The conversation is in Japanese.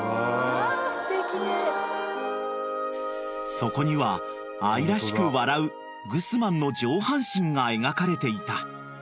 ［そこには愛らしく笑うグスマンの上半身が描かれていた］